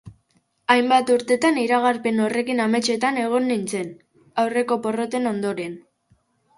Hainbat urtetan iragarpen horrekin ametsetan egon nintzen, aurreko porroten ondoren.